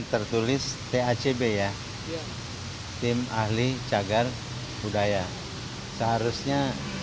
tertulis tacb ya tim ahli jagar budaya seharusnya